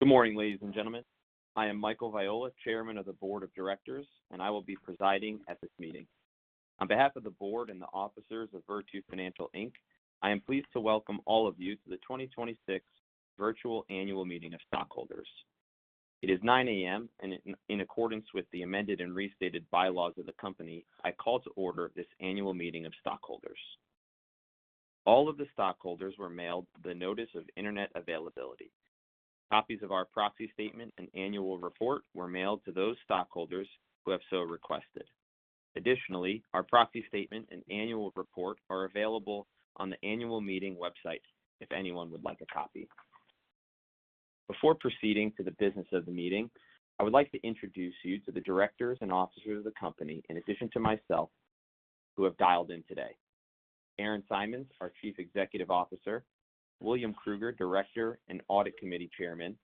Good morning, ladies and gentlemen. I am Michael Viola, Chairman of the Board of Directors, and I will be presiding at this meeting. On behalf of the board and the officers of Virtu Financial, Inc., I am pleased to welcome all of you to the 2026 Virtual Annual Meeting of Stockholders. It is 9:00 A.M., and in accordance with the amended and restated bylaws of the company, I call to order this annual meeting of stockholders. All of the stockholders were mailed the notice of internet availability. Copies of our proxy statement and annual report were mailed to those stockholders who have so requested. Additionally, our proxy statement and annual report are available on the annual meeting website if anyone would like a copy. Before proceeding to the business of the meeting, I would like to introduce you to the directors and officers of the company, in addition to myself, who have dialed in today. Aaron Simons, our Chief Executive Officer. William Krueger, Director and Audit Committee Chairman.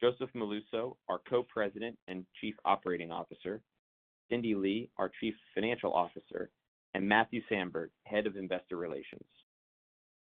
Joseph Molluso, our Co-President and Chief Operating Officer. Cindy Lee, our Chief Financial Officer, and Matthew Sandberg, Head of Investor Relations.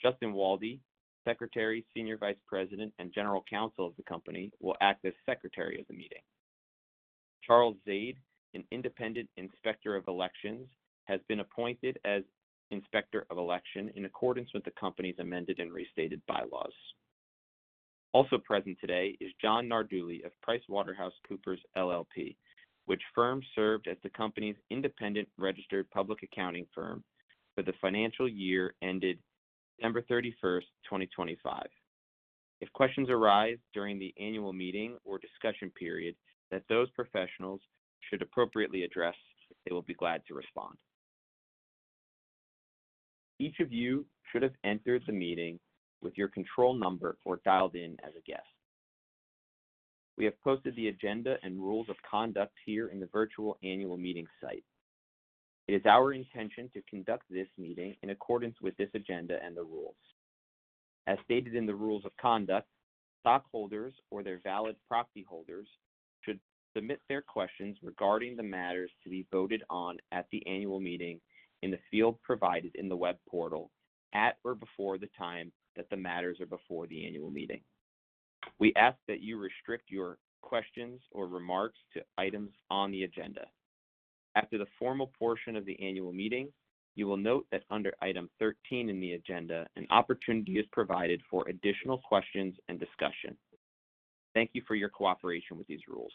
Justin Waldie, Secretary, Senior Vice President, and General Counsel of the company, will act as Secretary of the meeting. Charles Zaid, an independent Inspector of Elections, has been appointed as Inspector of Election in accordance with the company's amended and restated bylaws. Also present today is John Nardulli of PricewaterhouseCoopers LLP, which firm served as the company's independent registered public accounting firm for the financial year ended December 31st, 2025. If questions arise during the annual meeting or discussion period that those professionals should appropriately address, they will be glad to respond. Each of you should have entered the meeting with your control number or dialed in as a guest. We have posted the agenda and rules of conduct here in the virtual annual meeting site. It is our intention to conduct this meeting in accordance with this agenda and the rules. As stated in the rules of conduct, stockholders or their valid proxy holders should submit their questions regarding the matters to be voted on at the annual meeting in the field provided in the web portal at or before the time that the matters are before the annual meeting. We ask that you restrict your questions or remarks to items on the agenda. After the formal portion of the annual meeting, you will note that under item 13 in the agenda, an opportunity is provided for additional questions and discussion. Thank you for your cooperation with these rules.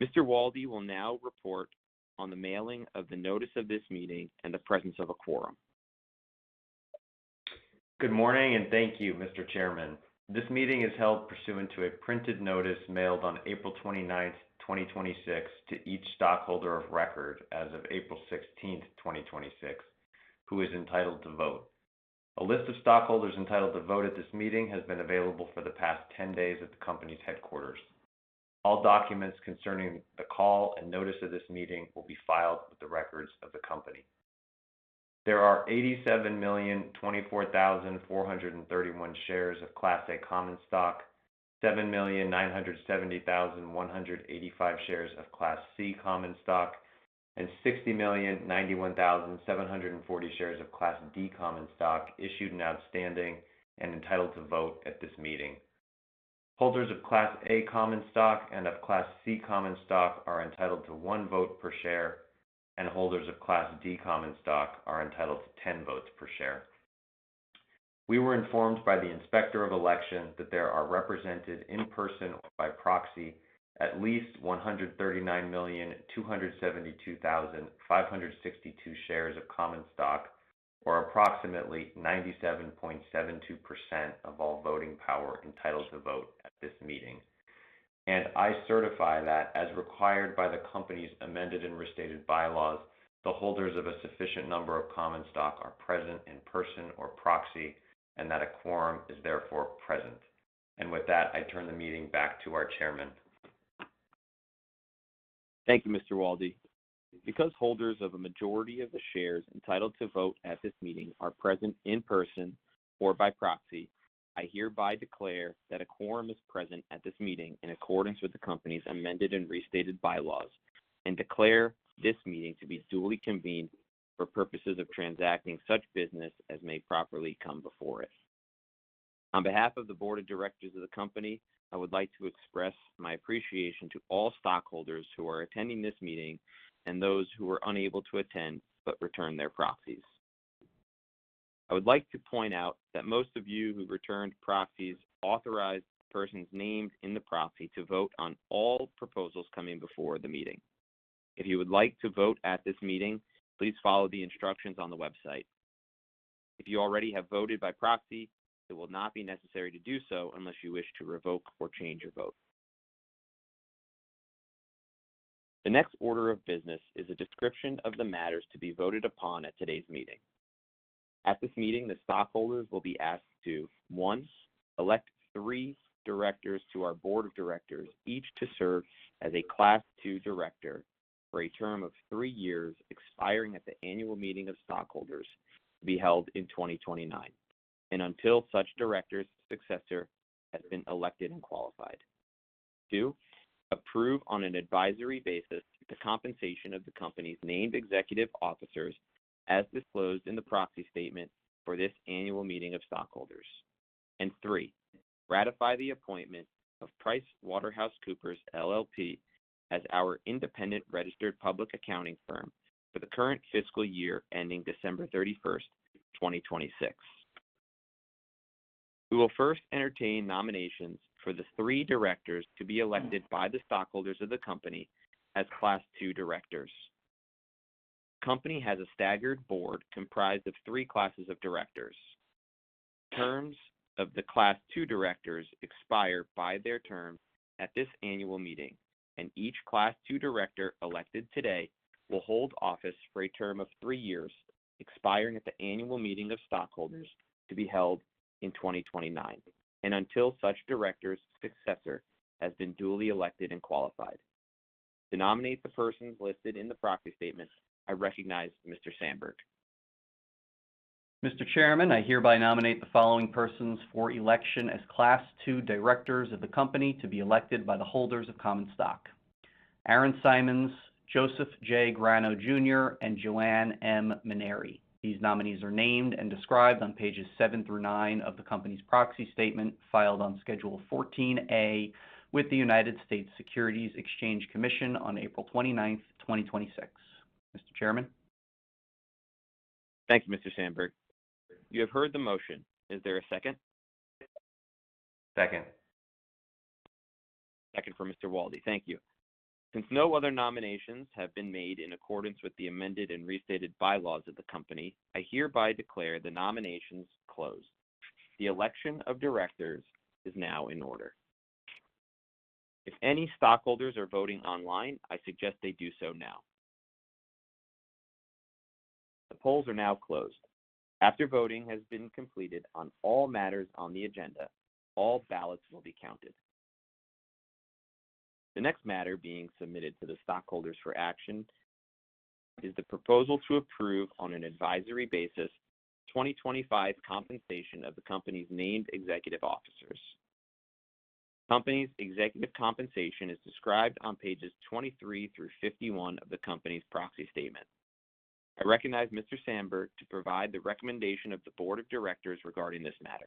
Mr. Waldie will now report on the mailing of the notice of this meeting and the presence of a quorum. Good morning, and thank you, Mr. Chairman. This meeting is held pursuant to a printed notice mailed on April 29th, 2026 to each stockholder of record as of April 16th, 2026, who is entitled to vote. A list of stockholders entitled to vote at this meeting has been available for the past 10 days at the company's headquarters. All documents concerning the call and notice of this meeting will be filed with the records of the company. There are 87,024,431 shares of Class A common stock, 7,970,185 shares of Class C common stock, and 60,091,740 shares of Class D common stock issued and outstanding and entitled to vote at this meeting. Holders of Class A common stock and of Class C common stock are entitled to one vote per share, and holders of Class D common stock are entitled to 10 votes per share. We were informed by the Inspector of Elections that there are represented in person or by proxy at least 139,272,562 shares of common stock, or approximately 97.72% of all voting power entitled to vote at this meeting. I certify that as required by the company's amended and restated bylaws, the holders of a sufficient number of common stock are present in person or proxy, and that a quorum is therefore present. With that, I turn the meeting back to our chairman. Thank you, Mr. Waldie. Because holders of a majority of the shares entitled to vote at this meeting are present in person or by proxy, I hereby declare that a quorum is present at this meeting in accordance with the company's amended and restated bylaws, and declare this meeting to be duly convened for purposes of transacting such business as may properly come before it. On behalf of the Board of Directors of the company, I would like to express my appreciation to all stockholders who are attending this meeting and those who were unable to attend but returned their proxies. I would like to point out that most of you who returned proxies authorized the persons named in the proxy to vote on all proposals coming before the meeting. If you would like to vote at this meeting, please follow the instructions on the website. If you already have voted by proxy, it will not be necessary to do so unless you wish to revoke or change your vote. The next order of business is a description of the matters to be voted upon at today's meeting. At this meeting, the stockholders will be asked to, one, elect three directors to our board of directors, each to serve as a Class II director for a term of three years, expiring at the annual meeting of stockholders to be held in 2029, and until such director's successor has been elected and qualified. Two, approve on an advisory basis the compensation of the company's named executive officers as disclosed in the proxy statement for this annual meeting of stockholders. Three, ratify the appointment of PricewaterhouseCoopers LLP as our independent registered public accounting firm for the current fiscal year ending December 31st, 2026. We will first entertain nominations for the three directors to be elected by the stockholders of the company as Class II directors. Company has a staggered board comprised of three classes of directors. Terms of the Class II directors expire by their term at this annual meeting, and each Class II director elected today will hold office for a term of three years, expiring at the annual meeting of stockholders to be held in 2029, and until such director's successor has been duly elected and qualified. To nominate the persons listed in the proxy statement, I recognize Mr. Sandberg. Mr. Chairman, I hereby nominate the following persons for election as Class II directors of the company to be elected by the holders of common stock. Aaron Simons, Joseph J. Grano Jr., and Joanne M. Minieri. These nominees are named and described on pages seven through nine of the company's proxy statement, filed on Schedule 14A with the United States Securities and Exchange Commission on April 29, 2026. Mr. Chairman? Thank you, Mr. Sandberg. You have heard the motion. Is there a second? Second. Second from Mr. Waldie. Thank you. Since no other nominations have been made in accordance with the amended and restated bylaws of the company, I hereby declare the nominations closed. The election of directors is now in order. If any stockholders are voting online, I suggest they do so now. The polls are now closed. After voting has been completed on all matters on the agenda, all ballots will be counted. The next matter being submitted to the stockholders for action is the proposal to approve, on an advisory basis, 2025 compensation of the company's named executive officers. Company's executive compensation is described on pages 23 through 51 of the company's proxy statement. I recognize Mr. Sandberg to provide the recommendation of the board of directors regarding this matter.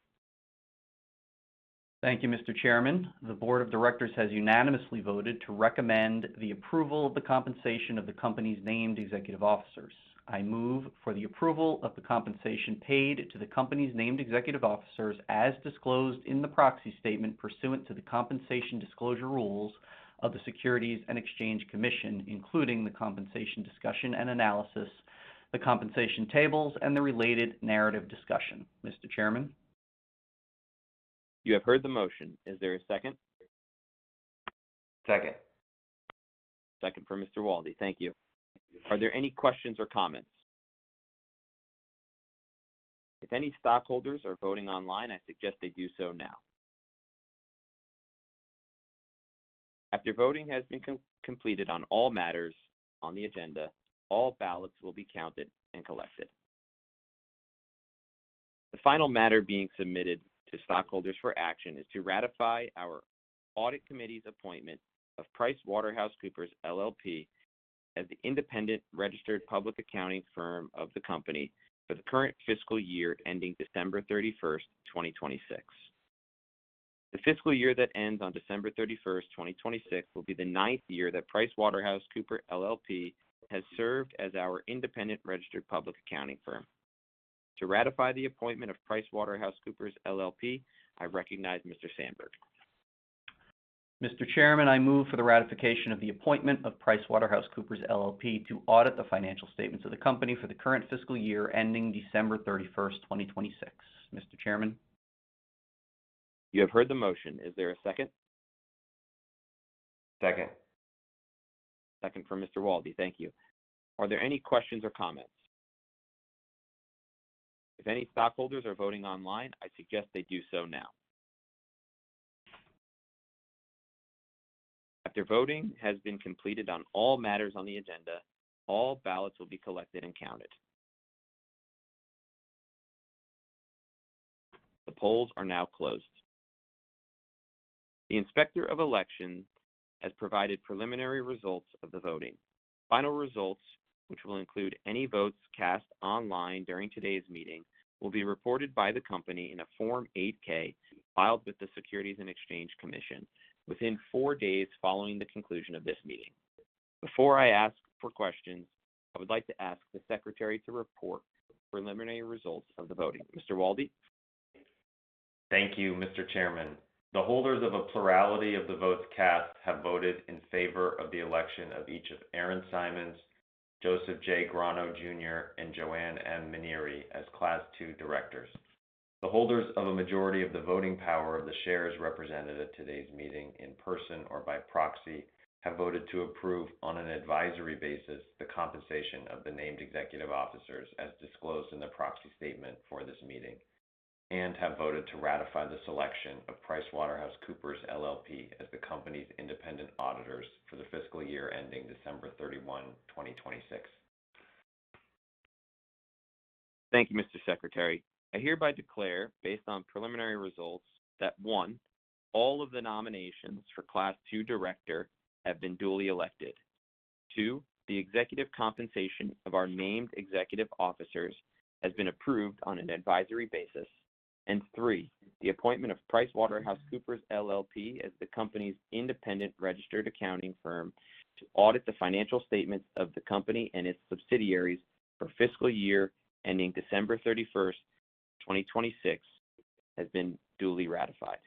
Thank you, Mr. Chairman. The board of directors has unanimously voted to recommend the approval of the compensation of the company's named executive officers. I move for the approval of the compensation paid to the company's named executive officers, as disclosed in the proxy statement pursuant to the compensation disclosure rules of the Securities and Exchange Commission, including the Compensation Discussion and Analysis, the compensation tables, and the related narrative discussion. Mr. Chairman? You have heard the motion. Is there a second? Second. Second from Mr. Waldie. Thank you. Are there any questions or comments? If any stockholders are voting online, I suggest they do so now. After voting has been completed on all matters on the agenda, all ballots will be counted and collected. The final matter being submitted to stockholders for action is to ratify our audit committee's appointment of PricewaterhouseCoopers LLP as the independent registered public accounting firm of the company for the current fiscal year ending December 31st, 2026. The fiscal year that ends on December 31st, 2026 will be the ninth year that PricewaterhouseCoopers LLP has served as our independent registered public accounting firm. To ratify the appointment of PricewaterhouseCoopers LLP, I recognize Mr. Sandberg. Mr. Chairman, I move for the ratification of the appointment of PricewaterhouseCoopers LLP to audit the financial statements of the company for the current fiscal year ending December 31st, 2026. Mr. Chairman? You have heard the motion. Is there a second? Second. Second from Mr. Waldie. Thank you. Are there any questions or comments? If any stockholders are voting online, I suggest they do so now. After voting has been completed on all matters on the agenda, all ballots will be collected and counted. The polls are now closed. The Inspector of Election has provided preliminary results of the voting. Final results, which will include any votes cast online during today's meeting, will be reported by the company in a Form 8-K filed with the Securities and Exchange Commission within four days following the conclusion of this meeting. Before I ask for questions, I would like to ask the secretary to report preliminary results of the voting. Mr. Waldie? Thank you, Mr. Chairman. The holders of a plurality of the votes cast have voted in favor of the election of each of Aaron Simons, Joseph J. Grano Jr., and Joanne M. Minieri as Class II directors. The holders of a majority of the voting power of the shares represented at today's meeting, in person or by proxy, have voted to approve on an advisory basis the compensation of the named executive officers as disclosed in the proxy statement for this meeting, and have voted to ratify the selection of PricewaterhouseCoopers LLP as the company's independent auditors for the fiscal year ending December 31, 2026. Thank you, Mr. Secretary. I hereby declare, based on preliminary results, that one, all of the nominations for Class II director have been duly elected. Two, the executive compensation of our named executive officers has been approved on an advisory basis. Three, the appointment of PricewaterhouseCoopers LLP as the company's independent registered accounting firm to audit the financial statements of the company and its subsidiaries for fiscal year ending December 31, 2026, has been duly ratified.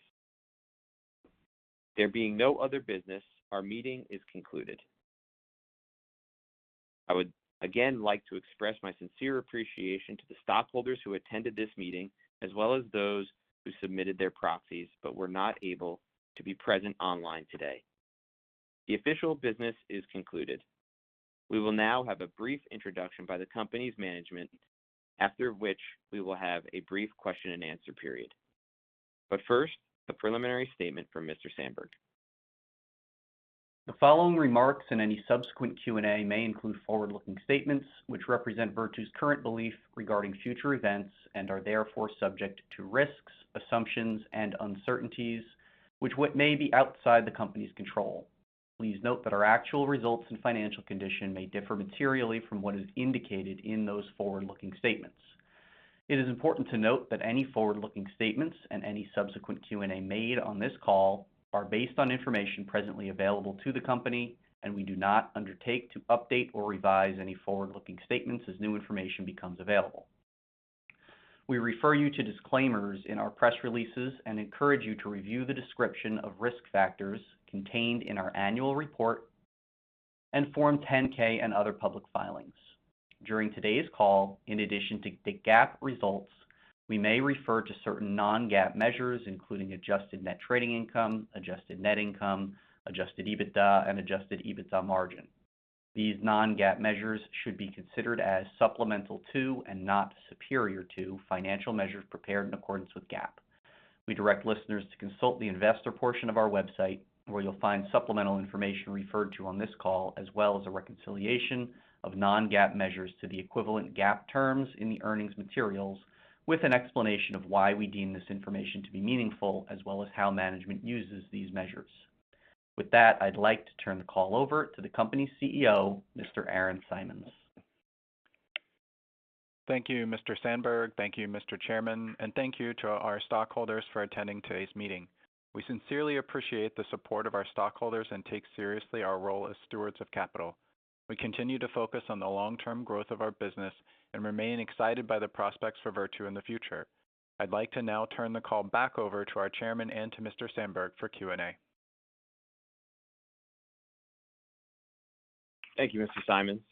There being no other business, our meeting is concluded. I would again like to express my sincere appreciation to the stockholders who attended this meeting, as well as those who submitted their proxies but were not able to be present online today. The official business is concluded. We will now have a brief introduction by the company's management, after which we will have a brief question and answer period. First, the preliminary statement from Mr. Sandberg. The following remarks and any subsequent Q&A may include forward-looking statements which represent Virtu's current belief regarding future events and are therefore subject to risks, assumptions, and uncertainties which may be outside the company's control. Please note that our actual results and financial condition may differ materially from what is indicated in those forward-looking statements. It is important to note that any forward-looking statements and any subsequent Q&A made on this call are based on information presently available to the company, and we do not undertake to update or revise any forward-looking statements as new information becomes available. We refer you to disclaimers in our press releases and encourage you to review the description of risk factors contained in our annual report and Form 10-K and other public filings. During today's call, in addition to the GAAP results, we may refer to certain non-GAAP measures, including Adjusted Net Trading Income, Adjusted Net Income, Adjusted EBITDA, and Adjusted EBITDA Margin. These non-GAAP measures should be considered as supplemental to, and not superior to, financial measures prepared in accordance with GAAP. We direct listeners to consult the investor portion of our website, where you'll find supplemental information referred to on this call, as well as a reconciliation of non-GAAP measures to the equivalent GAAP terms in the earnings materials, with an explanation of why we deem this information to be meaningful, as well as how management uses these measures. With that, I'd like to turn the call over to the company's CEO, Mr. Aaron Simons. Thank you, Mr. Sandberg. Thank you, Mr. Chairman, and thank you to our stockholders for attending today's meeting. We sincerely appreciate the support of our stockholders and take seriously our role as stewards of capital. We continue to focus on the long-term growth of our business and remain excited by the prospects for Virtu in the future. I'd like to now turn the call back over to our Chairman and to Mr. Sandberg for Q&A. Thank you, Mr. Simons.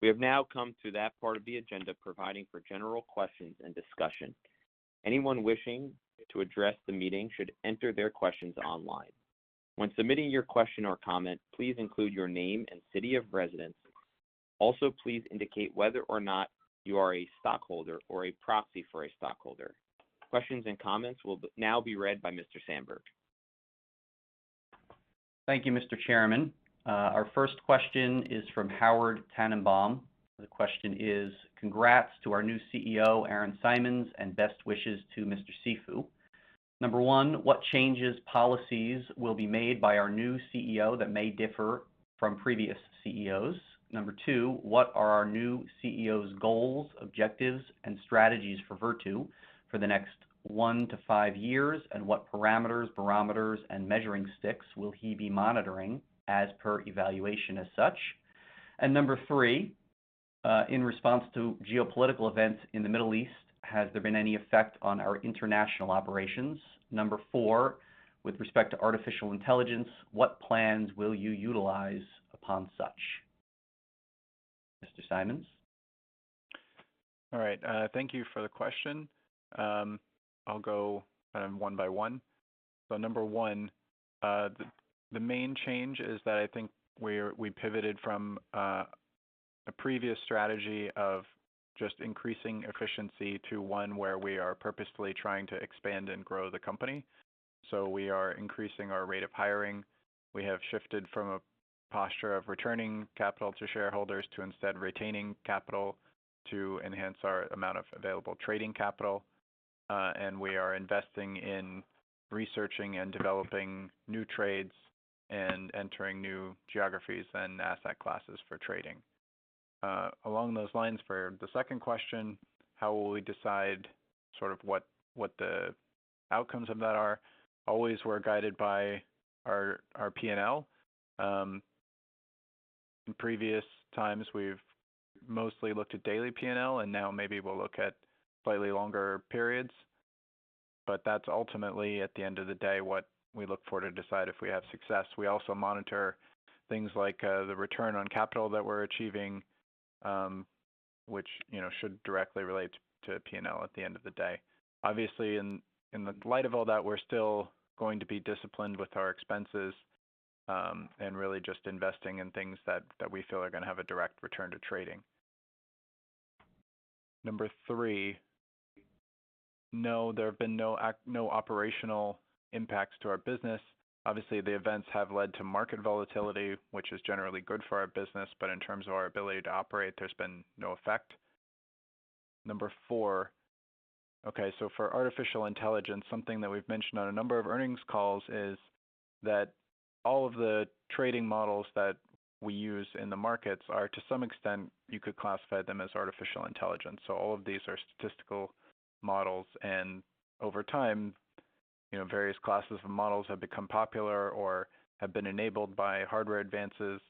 We have now come to that part of the agenda providing for general questions and discussion. Anyone wishing to address the meeting should enter their questions online. When submitting your question or comment, please include your name and city of residence. Also, please indicate whether or not you are a stockholder or a proxy for a stockholder. Questions and comments will now be read by Mr. Sandberg. Thank you, Mr. Chairman. Our first question is from Howard Tenenbaum. The question is, "Congrats to our new CEO, Aaron Simons, and best wishes to Mr. Cifu. Number one, what changes, policies will be made by our new CEO that may differ from previous CEOs? Number two, what are our new CEO's goals, objectives, and strategies for Virtu for the next one to five years, and what parameters, barometers, and measuring sticks will he be monitoring as per evaluation as such? Number three, in response to geopolitical events in the Middle East, has there been any effect on our international operations? Number four, with respect to artificial intelligence, what plans will you utilize upon such?" Mr. Simons? All right. Thank you for the question. I'll go one by one. Number one, the main change is that I think we pivoted from a previous strategy of just increasing efficiency to one where we are purposefully trying to expand and grow the company. We are increasing our rate of hiring. We have shifted from a posture of returning capital to shareholders to instead retaining capital to enhance our amount of available trading capital. We are investing in researching and developing new trades and entering new geographies and asset classes for trading. Along those lines, for the second question, how will we decide what the outcomes of that are? Always, we're guided by our P&L. In previous times, we've mostly looked at daily P&L, now maybe we'll look at slightly longer periods. That's ultimately, at the end of the day, what we look for to decide if we have success. We also monitor things like the return on capital that we're achieving, which should directly relate to P&L at the end of the day. Obviously, in the light of all that, we're still going to be disciplined with our expenses, and really just investing in things that we feel are going to have a direct return to trading. Number three, no, there have been no operational impacts to our business. Obviously, the events have led to market volatility, which is generally good for our business, but in terms of our ability to operate, there's been no effect. Number four. Okay, for artificial intelligence, something that we've mentioned on a number of earnings calls is that all of the trading models that we use in the markets are, to some extent, you could classify them as artificial intelligence. All of these are statistical models, and over time, various classes of models have become popular or have been enabled by hardware advances,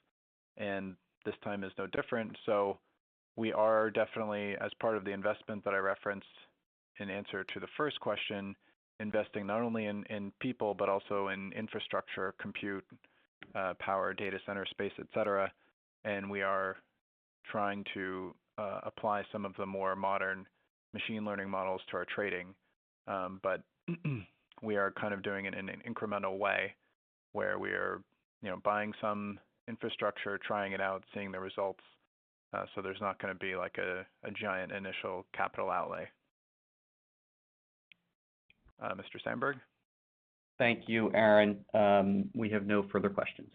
and this time is no different. We are definitely, as part of the investment that I referenced in answer to the first question, investing not only in people, but also in infrastructure, compute, power, data center space, et cetera. We are trying to apply some of the more modern machine learning models to our trading. We are kind of doing it in an incremental way, where we are buying some infrastructure, trying it out, seeing the results. There's not going to be a giant initial capital outlay. Mr. Sandberg? Thank you, Aaron. We have no further questions.